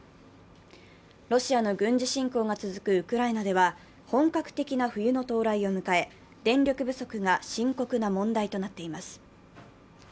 ロシアの軍事侵攻が続くウクライナでは本格的な冬の到来を迎え、電力不足が深刻な問題となっています。